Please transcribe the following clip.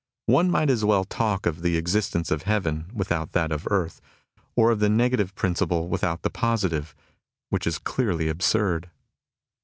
One might as well talk of the existence of heaven without that of earth, or of the negative principle without the positive, which is clearly absurd.